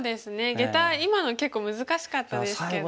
ゲタ今のは結構難しかったですけど。